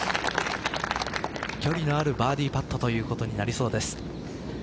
距離のあるバーディーパットということになりそうです。